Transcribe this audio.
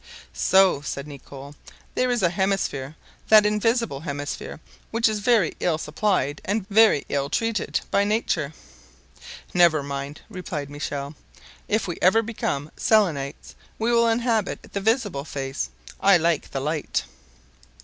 "So," said Nicholl, "there is a hemisphere, that invisible hemisphere which is very ill supplied, very ill treated, by nature." "Never mind," replied Michel; "if we ever become Selenites, we will inhabit the visible face. I like the light."